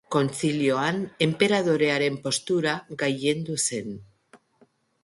Kontzilioan enperadorearen postura gailendu zen.